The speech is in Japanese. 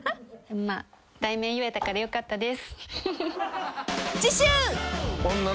まあ題名言えたからよかったです。